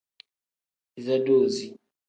Iza doozi.